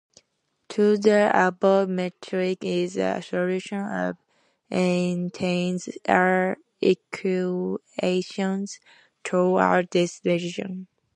Thus the above metric is a solution of Einstein's equations throughout this region.